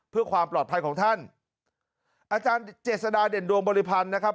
เพื่อความปลอดภัยของท่านอาจารย์เจษฎาเด่นดวงบริพันธ์นะครับ